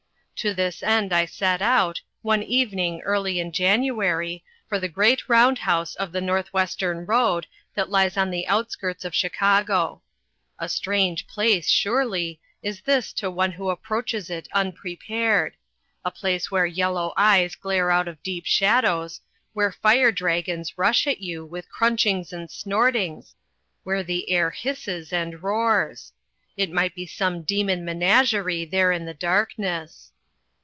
To this end I set out, one evening early in January, for the great round house of the Northwestern road, that lies on the outskirts of Chicago. A strange place, surely, is this to one who approaches it unprepared a place where yellow eyes glare out of deep shadows, where fire dragons rush at you with crunchings and snortings, where the air hisses and roars. It might be some demon menagerie, there in the darkness.